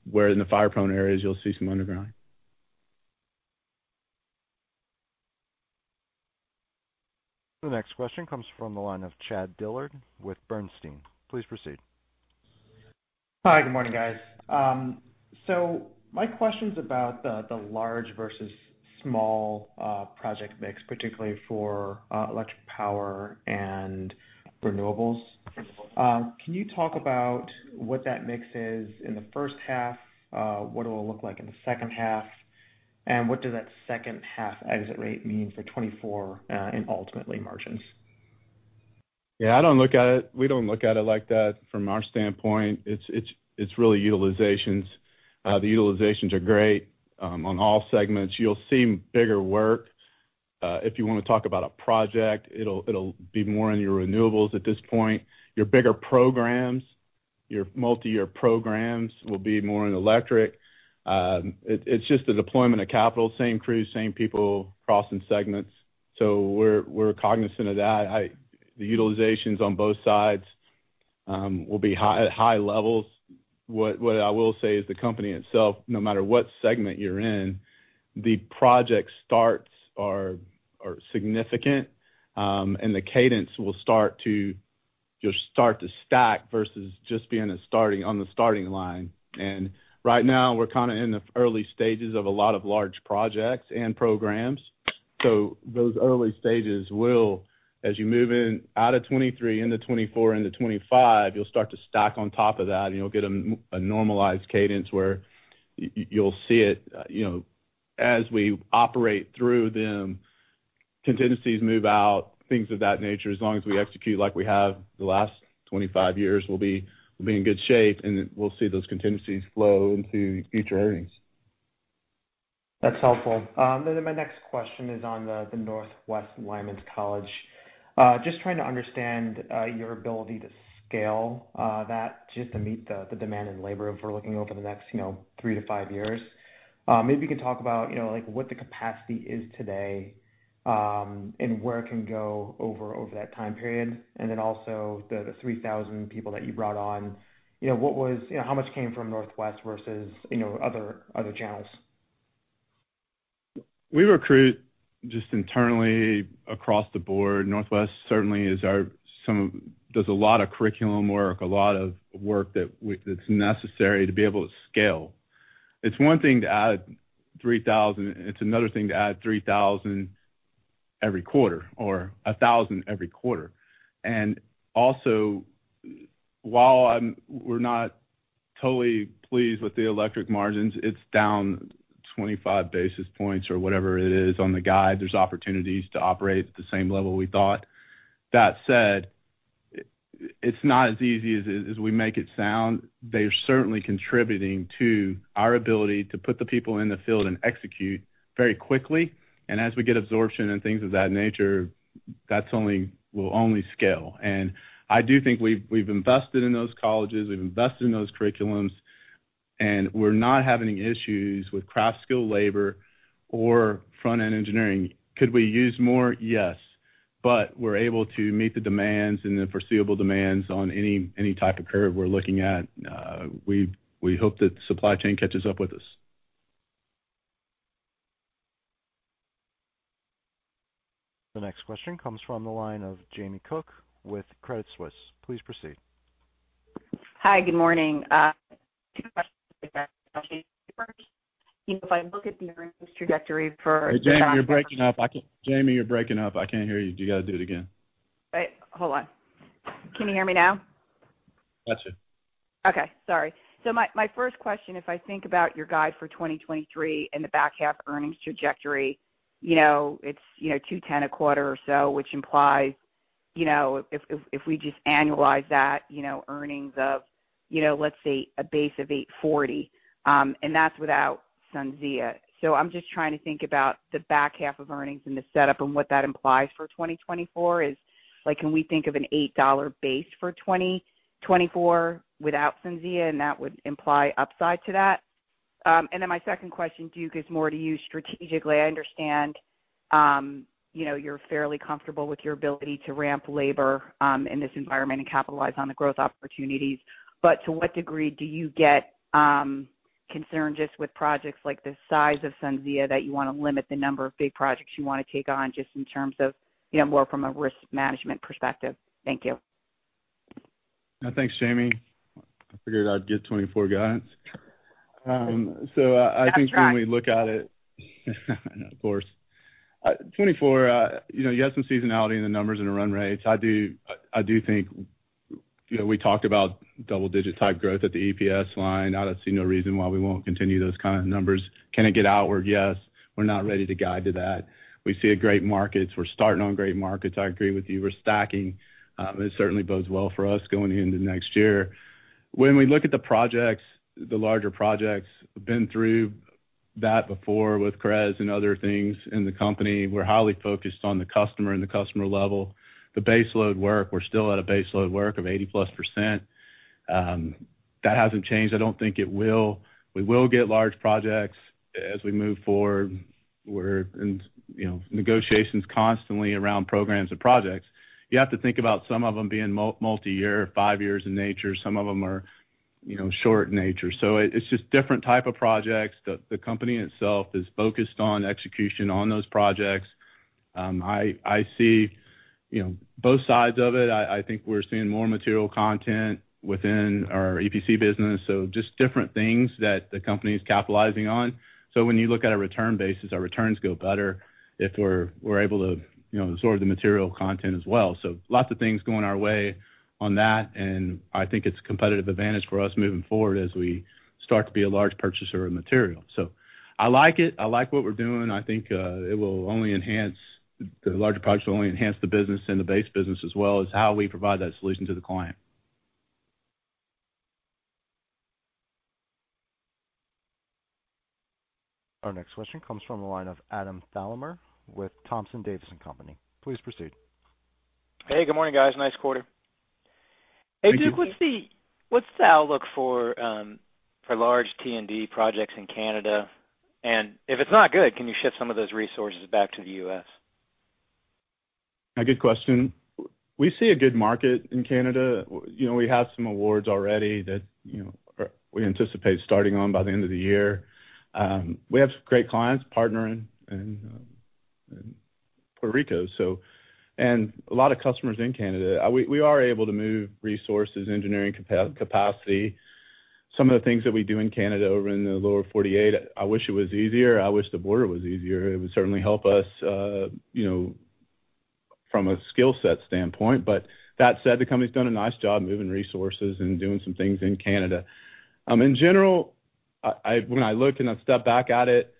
where in the fire-prone areas, you'll see some underground. The next question comes from the line of Chad Dillard with Bernstein. Please proceed. Hi, good morning, guys. My question's about the large versus small project mix, particularly for electric power and renewables. Can you talk about what that mix is in the first half? What it will look like in the second half? What does that second half exit rate mean for 2024 and ultimately margins? Yeah, I don't look at it. We don't look at it like that from our standpoint. It's, it's, it's really utilizations. The utilizations are great on all segments. You'll see bigger work. If you want to talk about a project, it'll, it'll be more on your renewables at this point. Your bigger programs, your multiyear programs, will be more in electric. It, it's just the deployment of capital, same crews, same people crossing segments, so we're, we're cognizant of that. The utilizations on both sides will be high, at high levels. What I will say is the company itself, no matter what segment you're in, the project starts are significant, and the cadence will start to you'll start to stack versus just being on the starting line. Right now, we're kind of in the early stages of a lot of large projects and programs, so those early stages will, as you move in, out of 23, into 24, into 25, you'll start to stack on top of that, and you'll get a normalized cadence where you'll see it, you know, as we operate through them, contingencies move out, things of that nature. As long as we execute like we have the last 25 years, we'll be, we'll be in good shape, and we'll see those contingencies flow into future earnings. That's helpful. Then my next question is on the Northwest Lineman College. Just trying to understand your ability to scale that just to meet the demand in labor if we're looking over the next, you know, three to five years. Maybe you can talk about, you know, like, what the capacity is today, and where it can go over, over that time period. The 3,000 people that you brought on, you know, what was... You know, how much came from Northwest versus, you know, other, other channels? We recruit just internally across the board. Northwest certainly is our, some of- does a lot of curriculum work, a lot of work that's necessary to be able to scale. It's one thing to add 3,000, it's another thing to add 3,000 every quarter, or 1,000 every quarter. Also, while we're not totally pleased with the electric margins, it's down 25 basis points or whatever it is on the guide. There's opportunities to operate at the same level we thought. That said, it's not as easy as, as we make it sound. They're certainly contributing to our ability to put the people in the field and execute very quickly. As we get absorption and things of that nature, that's only- will only scale. I do think we've, we've invested in those colleges, we've invested in those curriculums, and we're not having issues with craft skill labor or front-end engineering. Could we use more? Yes. We're able to meet the demands and the foreseeable demands on any, any type of curve we're looking at. We, we hope that the supply chain catches up with us. The next question comes from the line of Jamie Cook with Credit Suisse. Please proceed. Hi, good morning. two questions. First, if I look at the earnings trajectory. Hey, Jamie, you're breaking up. I can't... Jamie, you're breaking up. I can't hear you. Do you got to do it again? Wait, hold on. Can you hear me now? Got you. Okay, sorry. My, my first question, if I think about your guide for 2023 and the back half earnings trajectory, you know, it's, you know, $2.10 a quarter or so, which implies, you know, if, if, if we just annualize that, you know, earnings of, you know, let's say a base of $8.40, and that's without SunZia. I'm just trying to think about the back half of earnings and the setup and what that implies for 2024 is, like, can we think of an $8 base for 2024 without SunZia, and that would imply upside to that? Then my second question to you is more to you strategically. I understand, you know, you're fairly comfortable with your ability to ramp labor in this environment and capitalize on the growth opportunities. To what degree do you get concerned just with projects like the size of SunZia, that you want to limit the number of big projects you want to take on, just in terms of, you know, more from a risk management perspective? Thank you. Thanks, Jamie. I figured I'd get 2024 guidance. I think- That's right. When we look at it, of course. 2024, you know, you have some seasonality in the numbers and the run rates. I do, I do think, you know, we talked about double-digit type growth at the EPS line. I don't see no reason why we won't continue those kind of numbers. Can it get outward? Yes. We're not ready to guide to that. We see a great markets. We're starting on great markets. I agree with you. We're stacking, it certainly bodes well for us going into next year. When we look at the projects, the larger projects, been through that before with CREZ and other things in the company. We're highly focused on the customer and the customer level. The baseload work, we're still at a baseload work of 80%+. That hasn't changed. I don't think it will. We will get large projects as we move forward. We're in, you know, negotiations constantly around programs and projects. You have to think about some of them being multi-year, five years in nature. Some of them are, you know, short in nature. It, it's just different type of projects. The, the company itself is focused on execution on those projects. I, I see, you know, both sides of it. I, I think we're seeing more material content within our EPC business, just different things that the company is capitalizing on. When you look at our return basis, our returns go better if we're, we're able to, you know, absorb the material content as well. Lots of things going our way on that, and I think it's a competitive advantage for us moving forward as we start to be a large purchaser of material. I like it. I like what we're doing. I think it will only enhance, the larger projects will only enhance the business and the base business, as well as how we provide that solution to the client. Our next question comes from the line of Adam Thalhimer with Thompson Davis & Company. Please proceed. Hey, good morning, guys. Nice quarter. Thank you. Hey, Duke, what's the outlook for large T&D projects in Canada? If it's not good, can you shift some of those resources back to the U.S.? A good question. We see a good market in Canada. You know, we have some awards already that, you know, we anticipate starting on by the end of the year. We have great clients, partnering in, in Puerto Rico, so. A lot of customers in Canada. We, we are able to move resources, engineering capacity. Some of the things that we do in Canada, over in the lower 48, I wish it was easier. I wish the border was easier. It would certainly help us, you know, from a skill set standpoint. But that said, the company's done a nice job moving resources and doing some things in Canada. In general, when I look and I step back at it,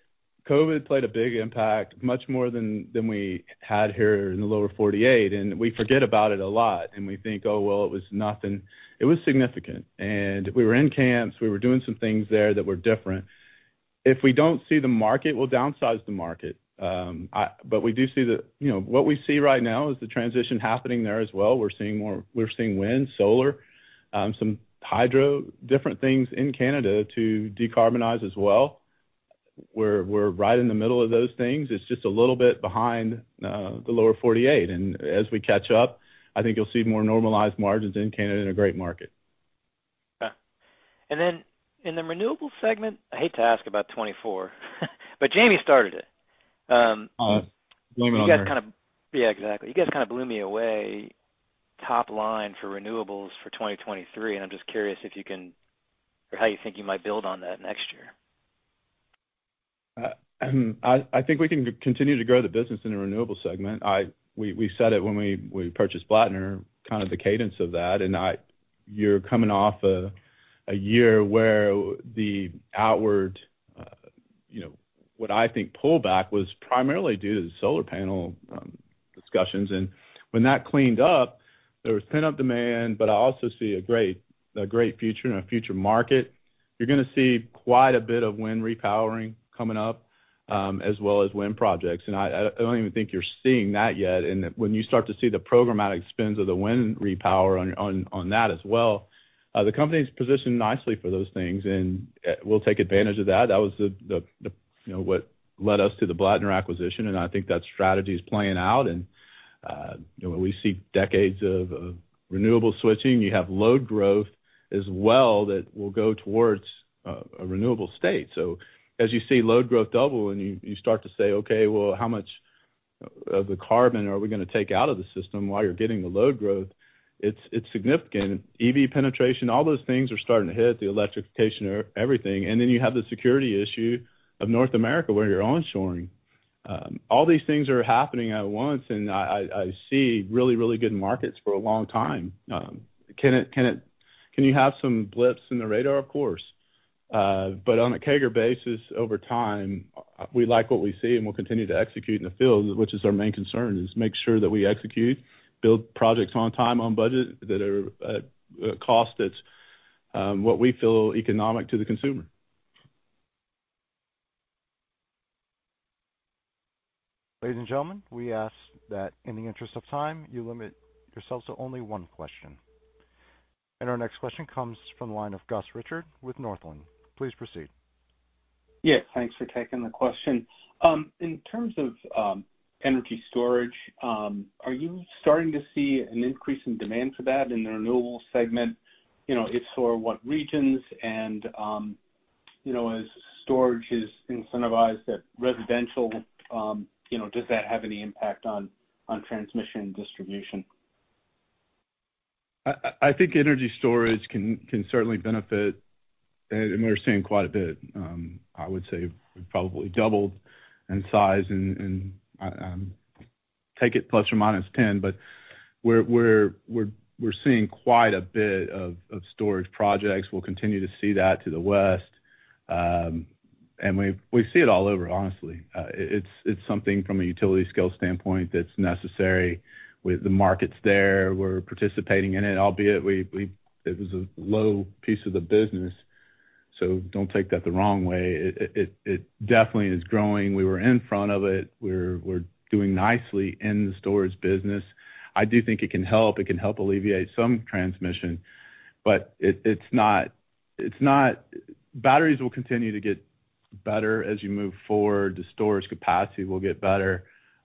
COVID-19 played a big impact, much more than, than we had here in the lower 48. We forget about it a lot, and we think, Oh, well, it was nothing. It was significant. We were in camps, we were doing some things there that were different. If we don't see the market, we'll downsize the market. We do see the, you know, what we see right now is the transition happening there as well. We're seeing more, we're seeing wind, solar, some hydro, different things in Canada to decarbonize as well. We're, we're right in the middle of those things. It's just a little bit behind, the lower 48. As we catch up, I think you'll see more normalized margins in Canada in a great market. Okay. Then in the Renewable segment, I hate to ask about 2024, but Jamie started it. All right. Blame it on her. You guys kind of. Yeah, exactly. You guys kind of blew me away, top line for renewables for 2023. I'm just curious if you can, or how you think you might build on that next year. I think we can continue to grow the business in the Renewables segment. We said it when we purchased Blattner, kind of the cadence of that, and I. You're coming off a year where the outward, you know, what I think pullback was primarily due to the solar panel discussions. When that cleaned up, there was pent-up demand, but I also see a great future and a future market. You're going to see quite a bit of wind repowering coming up as well as wind projects, and I, I don't even think you're seeing that yet. When you start to see the programmatic spends of the wind repower on that as well, the company's positioned nicely for those things, and we'll take advantage of that. That was the, the, the, you know, what led us to the Blattner acquisition, and I think that strategy is playing out, you know, we see decades of renewable switching. You have load growth as well that will go towards a renewable state. As you see load growth double and you start to say, okay, well, how much of the carbon are we going to take out of the system while you're getting the load growth? It's significant. EV penetration, all those things are starting to hit the electrification of everything. Then you have the security issue of North America, where you're onshoring. All these things are happening at once, and I see really, really good markets for a long time. Can you have some blips in the radar? Of course. On a CAGR basis, over time, we like what we see, and we'll continue to execute in the field, which is our main concern, is make sure that we execute, build projects on time, on budget, that are at a cost that's what we feel economic to the consumer. Ladies and gentlemen, we ask that in the interest of time, you limit yourselves to only one question. Our next question comes from the line of Gus Richard with Northland. Please proceed. Yes, thanks for taking the question. In terms of energy storage, are you starting to see an increase in demand for that in the Renewable segment? You know, if so, what regions and, you know, as storage is incentivized at residential, you know, does that have any impact on, on transmission and distribution? I, I think energy storage can, can certainly benefit, and we're seeing quite a bit. I would say we've probably doubled in size, and, and, take it ±10, but we're, we're, we're seeing quite a bit of, of storage projects. We'll continue to see that to the West, and we, we see it all over, honestly. It's, it's something from a utility scale standpoint that's necessary. With the market's there, we're participating in it, albeit it was a low piece of the business, so don't take that the wrong way. It, it, it, it definitely is growing. We were in front of it. We're, we're doing nicely in the storage business. I do think it can help. It can help alleviate some transmission, but it, it's not. Batteries will continue to get better as you move forward. The storage capacity will get better.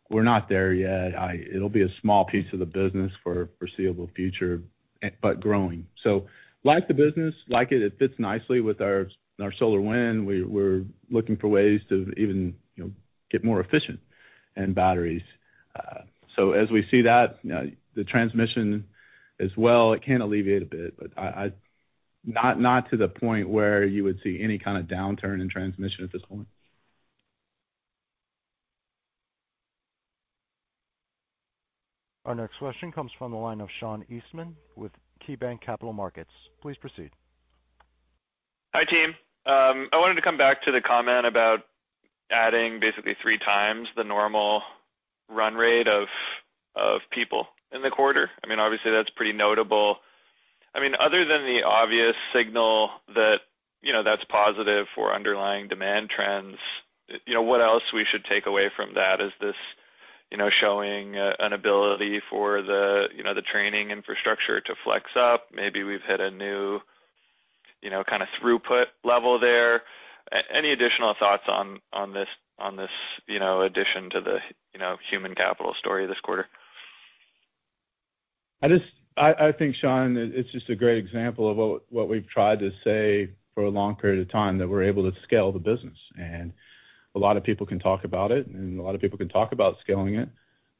We're not there yet. It'll be a small piece of the business for foreseeable future, but growing. Like the business, like it, it fits nicely with our, our solar wind. We're, we're looking for ways to even, you know, get more efficient in batteries. As we see that, you know, the transmission as well, it can alleviate a bit, but I, not to the point where you would see any kind of downturn in transmission at this point. Our next question comes from the line of Sean Eastman with KeyBanc Capital Markets. Please proceed. Hi, team. I wanted to come back to the comment about adding basically 3x the normal run rate of, of people in the quarter. I mean, obviously, that's pretty notable. I mean, other than the obvious signal that, you know, that's positive for underlying demand trends, you know, what else we should take away from that? Is this, you know, showing an ability for the, you know, the training infrastructure to flex up? Maybe we've hit a new, you know, kind of throughput level there. Any additional thoughts on, on this, on this, you know, addition to the, you know, human capital story this quarter? I think, Sean, it's just a great example of what, what we've tried to say for a long period of time, that we're able to scale the business. A lot of people can talk about it, and a lot of people can talk about scaling it.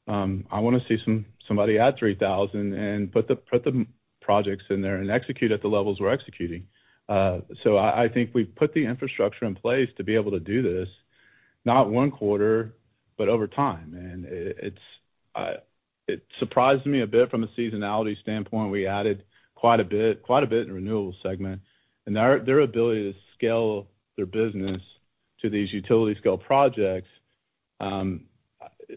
I want to see somebody add 3,000 and put the, put the projects in there and execute at the levels we're executing. I think we've put the infrastructure in place to be able to do this, not 1 quarter, but over time. It's surprised me a bit from a seasonality standpoint. We added quite a bit, quite a bit in the Renewables segment, and their, their ability to scale their business to these utility scale projects,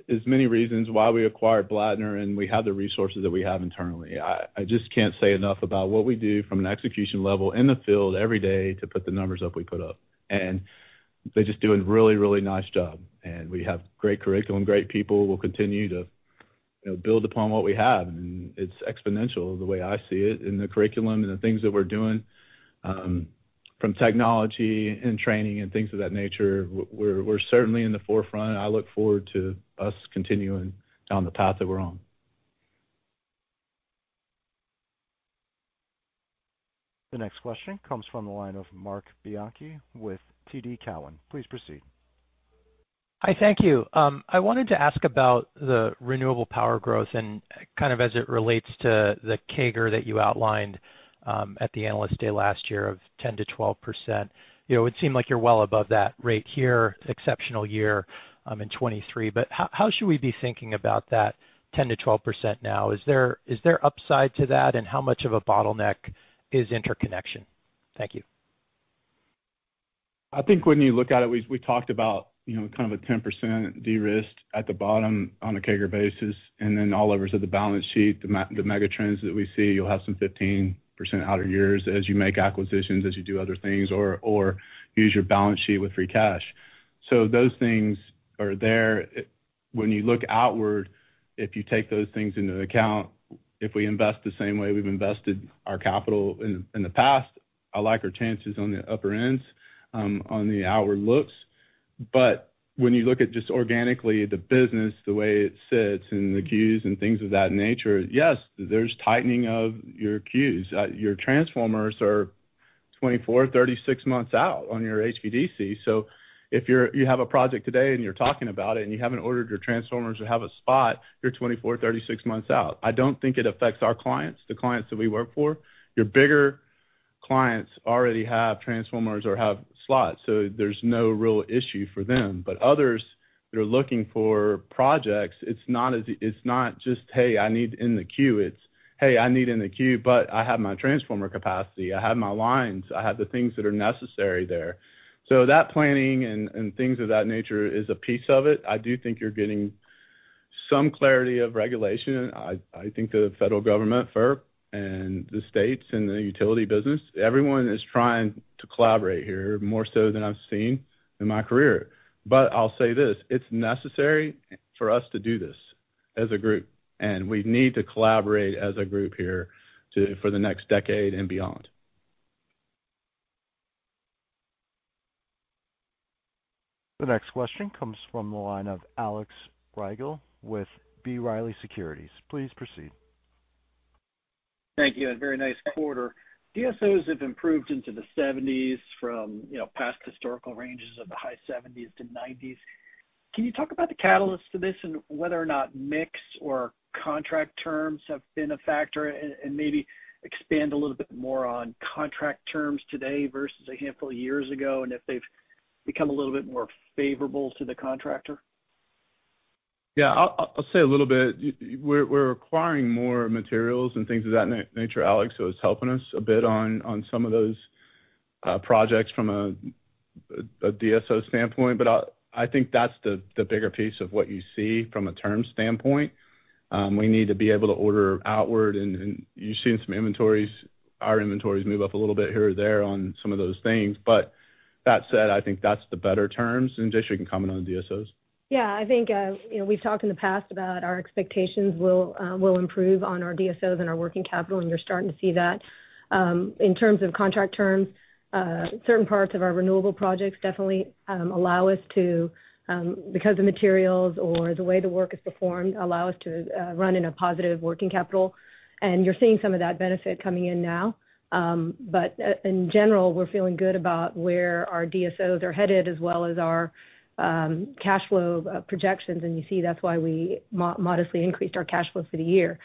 is many reasons why we acquired Blattner, and we have the resources that we have internally. I, I just can't say enough about what we do from an execution level in the field every day to put the numbers up we put up, and they're just doing a really, really nice job. We have great curriculum, great people. We'll continue to, you know, build upon what we have, and it's exponential, the way I see it, in the curriculum and the things that we're doing, from technology and training and things of that nature. We're, we're certainly in the forefront. I look forward to us continuing down the path that we're on. The next question comes from the line of Marc Bianchi with TD Cowen. Please proceed. Hi, thank you. I wanted to ask about the renewable power growth and kind of as it relates to the CAGR that you outlined, at the Analyst Day last year of 10%-12%. You know, it would seem like you're well above that rate here, exceptional year, in 2023. But how, how should we be thinking about that 10%-12% now? Is there, is there upside to that, and how much of a bottleneck is interconnection? Thank you. I think when you look at it, we, we talked about, you know, kind of a 10% de-risk at the bottom on a CAGR basis, and then all over to the balance sheet, the megatrends that we see, you'll have some 15% out of years as you make acquisitions, as you do other things or, or use your balance sheet with free cash. Those things are there. When you look outward, if you take those things into account, if we invest the same way we've invested our capital in, in the past, I like our chances on the upper ends, on the outward looks. When you look at just organically, the business, the way it sits and the queues and things of that nature, yes, there's tightening of your queues. Your transformers are 24, 36 months out on your HVDC. If you have a project today, and you're talking about it, and you haven't ordered your transformers or have a spot, you're 24, 36 months out. I don't think it affects our clients, the clients that we work for. Your bigger clients already have transformers or have slots, so there's no real issue for them. Others that are looking for projects, it's not just, "Hey, I need in the queue." It's, "Hey, I need in the queue, but I have my transformer capacity, I have my lines, I have the things that are necessary there." That planning and things of that nature is a piece of it. I do think you're getting some clarity of regulation. I, I think the federal government, FERC, and the states and the utility business, everyone is trying to collaborate here, more so than I've seen in my career. I'll say this: it's necessary for us to do this as a group, and we need to collaborate as a group here for the next decade and beyond. The next question comes from the line of Alex Rygiel with B. Riley Securities. Please proceed. Thank you, and very nice quarter. DSOs have improved into the seventies from, you know, past historical ranges of the high seventies to nineties. Can you talk about the catalyst to this and whether or not mix or contract terms have been a factor? Maybe expand a little bit more on contract terms today versus a handful of years ago, and if they've become a little bit more favorable to the contractor? Yeah, I'll, I'll say a little bit. We're, we're acquiring more materials and things of that nature, Alex, so it's helping us a bit on, on some of those projects from a DSO standpoint. I, I think that's the, the bigger piece of what you see from a term standpoint. We need to be able to order outward and, and you've seen some inventories, our inventories move up a little bit here or there on some of those things. That said, I think that's the better terms, and Jay, you can comment on the DSOs. Yeah. I think, you know, we've talked in the past about our expectations will improve on our DSOs and our working capital, and you're starting to see that. In terms of contract terms, certain parts of our renewable projects definitely allow us to, because of materials or the way the work is performed, allow us to run in a positive working capital, and you're seeing some of that benefit coming in now. In general, we're feeling good about where our DSOs are headed, as well as our cash flow projections. You see, that's why we modestly increased our cash flow for the year.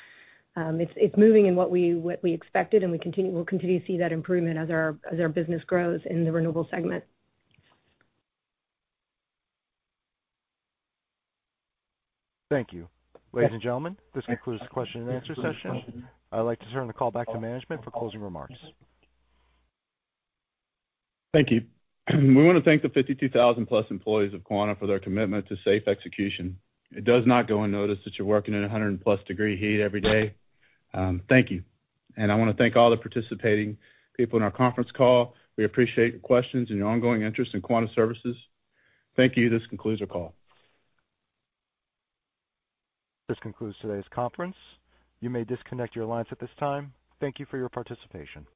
It's, it's moving in what we, what we expected, and we'll continue to see that improvement as our, as our business grows in the Renewable segment. Thank you. Ladies and gentlemen, this concludes the question and answer session. I'd like to turn the call back to management for closing remarks. Thank you. We want to thank the 52,000 plus employees of Quanta for their commitment to safe execution. It does not go unnoticed that you're working in a 100+ degree heat every day. Thank you. I want to thank all the participating people in our conference call. We appreciate your questions and your ongoing interest in Quanta Services. Thank you. This concludes our call. This concludes today's conference. You may disconnect your lines at this time. Thank you for your participation.